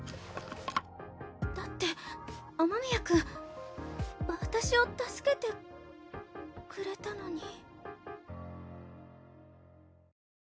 だって雨宮君私を助けてくれたのに。